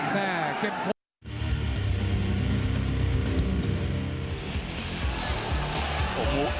แม่เข็มเข้า